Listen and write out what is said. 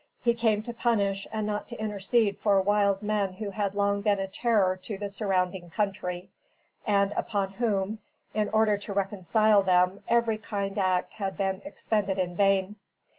He came to punish and not to intercede for wild men who had long been a terror to the surrounding country, and upon whom, in order to reconcile them, every kind act had been expended in vain.